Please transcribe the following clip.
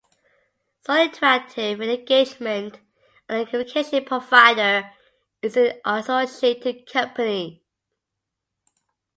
SoInteractive, an engagement and gamification provider, is an associated company.